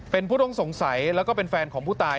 เป็นผู้ต้องสงสัยแล้วก็เป็นแฟนของผู้ตาย